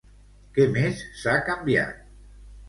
Què més s'ha canviat?